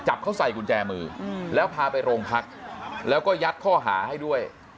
จับเขาใส่กุญแจมือแล้วพาไปโรงพักแล้วก็ยัดข้อหาให้ด้วย